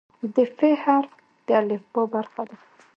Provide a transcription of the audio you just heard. د "ف" حرف د الفبا برخه ده.